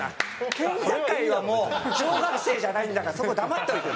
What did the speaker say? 県境はもう小学生じゃないんだからそこ黙っといて。